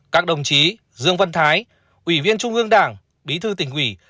các đồng chí dương văn thái ủy viên trung ương đảng bí thư tỉnh ủy